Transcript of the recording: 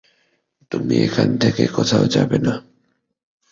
তুমি এখান থেকে কোথাও যাবে না।